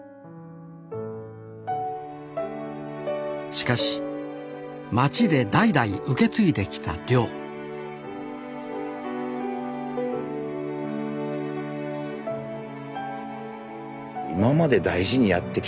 しかし町で代々受け継いできた漁今まで大事にやってきたものなんやけん